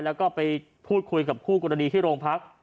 แล้วก็ไปพูดคุยกับคู่กรณีที่โรงพัก